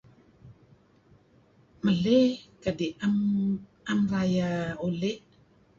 Meley kadi'' am rayeh uli'.